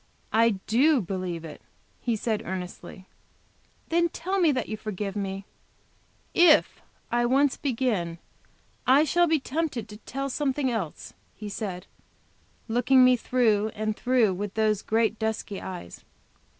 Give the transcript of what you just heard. "I do believe it," he said earnestly. "Then tell me that you forgive me!" "If I once begin, I shall be tempted to tell something else," he said, looking me through and through with those great dusky eyes.